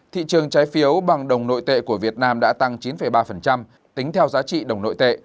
thị trường trái phiếu bằng đồng nội tệ của việt nam đã tăng chín ba tính theo giá trị đồng nội tệ